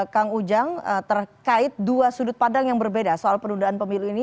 kang ujang terkait dua sudut padang yang berbeda soal penundaan pemilu ini